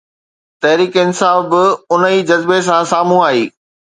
تحريڪ انصاف به ان ئي جذبي سان سامهون آئي.